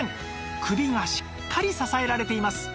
首がしっかり支えられています